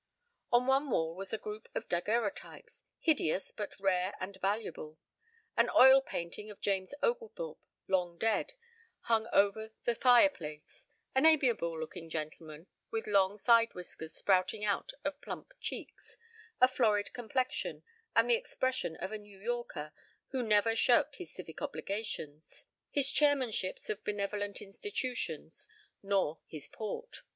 On one wall was a group of daguerreotypes, hideous but rare and valuable. An oil painting of James Oglethorpe, long dead, hung over the fireplace; an amiable looking gentleman with long side whiskers sprouting out of plump cheeks, a florid complexion, and the expression of a New Yorker who never shirked his civic obligations, his chairmanships of benevolent institutions, nor his port.